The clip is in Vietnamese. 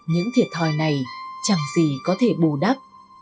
những thiệt thòi này chẳng gì có thể bù đắp